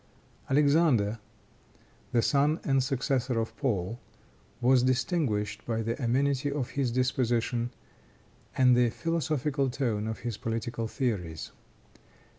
Alexander, the son and successor of Paul, was distinguished by the amenity of his disposition and the philosophical tone of his political theories.